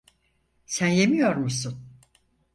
Sen yemiyor musun?